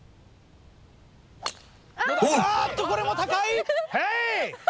あっとこれも高い！